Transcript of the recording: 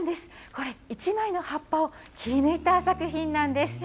これ１枚の葉っぱを切り抜いた作品なんです。